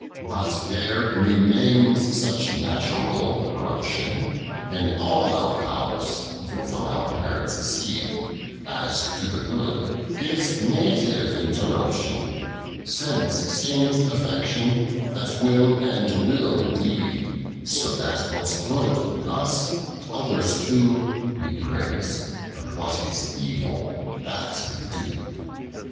13. But there remains such natural corruption In all our pow'rs, even from our parents' seed, As to the good gives native interruption ; Sence stains affection, that will, and will deed ; So that what's good in us, and others too We praise ; but what is evil, that we do.